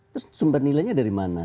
terus sumber nilainya dari mana